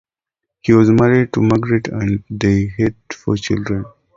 He was married to Margaret and they had four children.